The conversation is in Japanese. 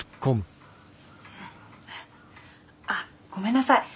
あっごめんなさい！